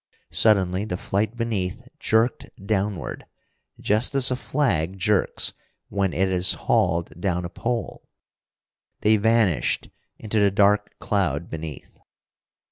Suddenly the flight beneath jerked downward, just as a flag jerks when it is hauled down a pole. They vanished into the dark cloud beneath.